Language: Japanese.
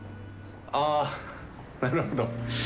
あなるほど。